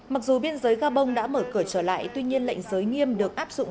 mặc dù biên giới gabon đã mở cửa trở lại tuy nhiên lệnh giới nghiêm được áp dụng